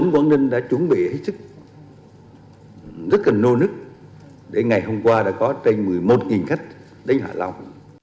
quảng ninh đã chuẩn bị hết sức rất là nô nức để ngày hôm qua đã có trên một mươi một khách đến hạ long